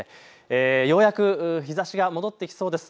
ようやく日ざしが戻ってきそうです。